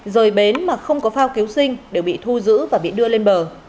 rời bến mà không có phao cứu sinh đều bị thu giữ và bị đưa lên bờ